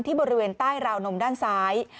บริเวณใต้ราวนมด้านซ้าย